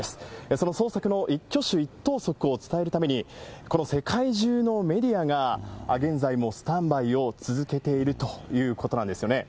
その捜索の一挙手一投足を伝えるために、この世界中のメディアが現在もスタンバイを続けているということなんですよね。